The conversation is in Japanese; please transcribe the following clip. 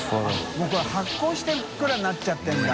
もうこれ発酵してふっくらになっちゃってるんだ。